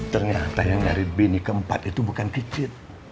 ternyata yang dari bini keempat itu bukan kicit